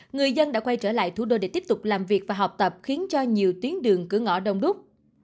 người dân đã quay trở lại thủ đô để tiếp tục làm việc và học tập khiến cho nhiều tuyến đường cửa ngõ đông đúc